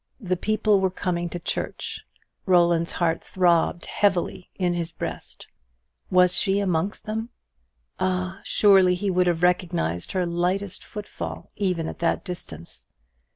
The people were coming to church. Roland's heart throbbed heavily in his breast. Was she amongst them? Ah, surely he would have recognized her lightest foot fall even at that distance.